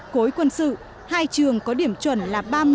khối quân sự hai trường có điểm chuẩn là ba mươi